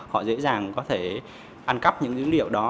họ dễ dàng có thể ăn cắp những dữ liệu đó